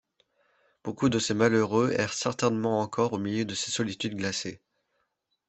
Beaucoup de ces malheureux errent certainement encore au milieu de ces solitudes glacées!